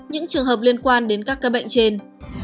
những trường hợp liên quan đến các ca bệnh trên